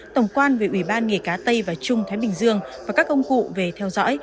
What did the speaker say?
tổng quan về ủy ban nghề cá tây và trung thái bình dương và các công cụ về theo dõi